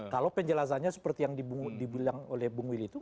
kalau penjelasannya seperti yang dibilang oleh bung willy itu